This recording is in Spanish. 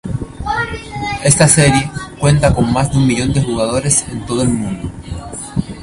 Esta serie cuenta con más de un millón de jugadores en todo el mundo.